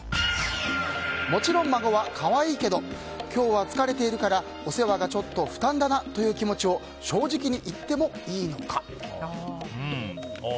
もちろん孫は可愛いけど今日は疲れているからお世話がちょっと負担だなという気持ちをこれがキャシーさん。